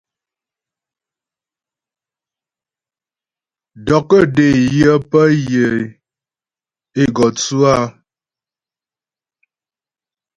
Dɔkɔ́́ dé yə pə pé yə́ é gɔ tsʉ áa.